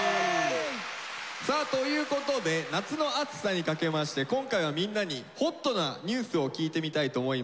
さあということで夏の暑さにかけまして今回はみんなにホットなニュースを聞いてみたいと思います。